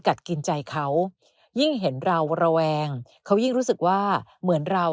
กินใจเขายิ่งเห็นเราระแวงเขายิ่งรู้สึกว่าเหมือนเรา